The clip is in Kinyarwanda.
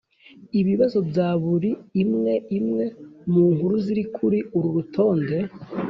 Ibibazo bya buri imwe imwe mu nkuru ziri kuri uru rutonde